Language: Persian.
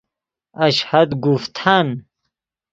اشهد گفتن